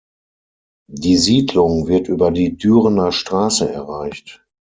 Die Siedlung wird über die Dürener Straße erreicht.